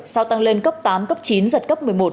sau tăng lên cấp tám cấp chín giật cấp một mươi một